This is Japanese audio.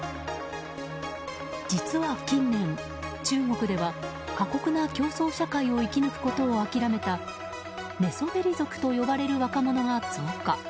実は近年、中国では過酷な競争社会を生き抜くことを諦めた寝そべり族と呼ばれる若者が増加。